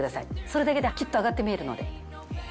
それだけでキュッと上がって見えるので。